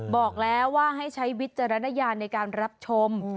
บอกแล้วว่าให้ใช้วิจารณญาณในการรับชม